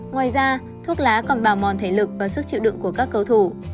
ngoài ra thuốc lá còn bào mòn thể lực và sức chịu đựng của các cầu thủ